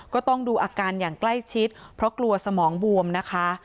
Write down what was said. ก็ต้องดูอาการอย่างใกล้ชิดเพราะกลัวสมองบวมนะคะ